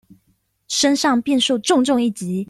身上便受到重重一擊